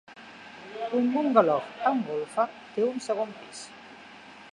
Un bungalou amb golfa té un segon pis.